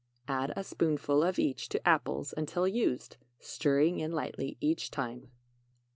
Add a spoonful of each to apples until used, stirring in lightly each time.